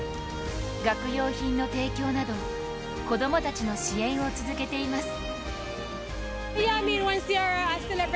学用品の提供など子供たちの支援を続けています。